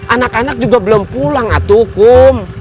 anak anak juga belum pulang atu kum